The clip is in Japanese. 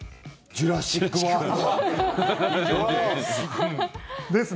「ジュラシック・ワールド」。